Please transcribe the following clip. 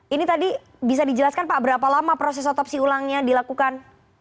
ini tadi bisa dijelaskan pak berapa lama proses otopsi ulangnya dilakukan